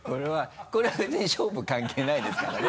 これは別に勝負関係ないですからね。